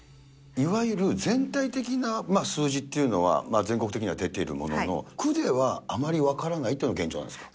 いわゆる全体的な数字っていうのは全国的には出ているものの、区ではあまり分からないというのが現状なんですか。